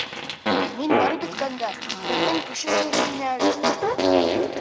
Мин барып еткәндә, беҙҙең кеше тере ине әле.